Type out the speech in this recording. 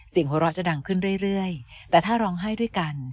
หัวเราจะดังขึ้นเรื่อยแต่ถ้าร้องไห้ด้วยกัน